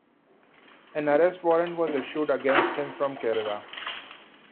An arrest warrant was issued against him from Kerala.